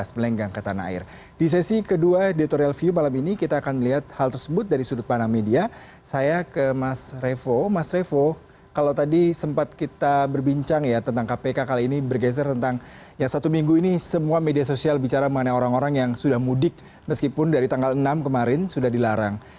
kalau tadi sempat kita berbincang ya tentang kpk kali ini bergeser tentang yang satu minggu ini semua media sosial bicara mengenai orang orang yang sudah mudik meskipun dari tanggal enam kemarin sudah dilarang